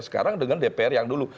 sekarang dengan dpr yang dulu